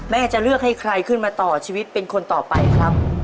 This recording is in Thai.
จะเลือกให้ใครขึ้นมาต่อชีวิตเป็นคนต่อไปครับ